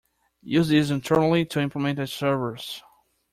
Use this internally to implement a service.